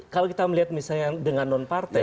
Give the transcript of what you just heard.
kalau kita melihat misalnya dengan nonparten